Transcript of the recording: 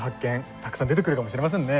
たくさん出てくるかもしれませんね。